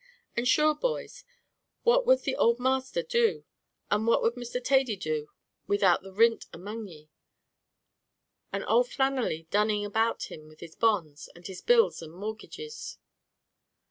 "And shure, boys, what would the ould masther do, and what would Mr. Thady do without the rint among ye, an' ould Flannelly dunning about him with his bonds, and his bills and morgidges?